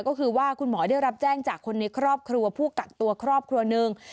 ก็คือว่าคุณหมอได้รับแจ้งจากคนในครอบครัวผู้กักตัวครอบครัวหนึ่ง